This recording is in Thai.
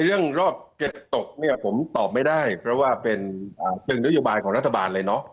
เรื่องรอบ๗ตกเนี่ยผมตอบไม่ได้เพราะว่าเป็นนโยบายของรัฐบาลเลยเนอะ